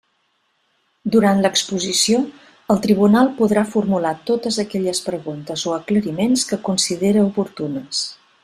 Durant l'exposició el tribunal podrà formular totes aquelles preguntes o aclariments que considere oportunes.